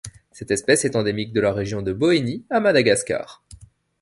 Cette espèce est endémique de la région de Boeny à Madagascar.